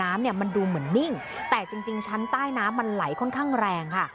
เนี่ยมันดูเหมือนนิ่งแต่จริงชั้นใต้น้ำมันไหลค่อนข้างแรงค่ะ